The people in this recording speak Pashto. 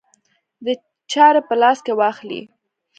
د چارې په لاس کې واخلي.